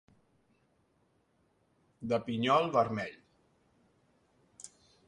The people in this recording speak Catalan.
De pinyol vermell.